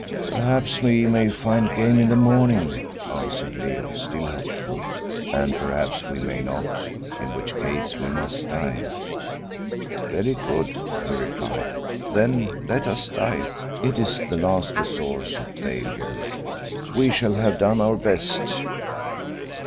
"Perhaps we may find game in the morning," answered Leo, still hopeful. "And perhaps we may not, in which case we must die." "Very good," he replied, "then let us die. It is the last resource of failure. We shall have done our best."